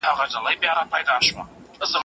انلاين زده کړه موادو ته آسانه لاسرسی ورکوي.